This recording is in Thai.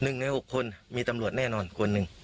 ๑ใน๖คนมีตำรวจแน่นอนคนหนึ่ง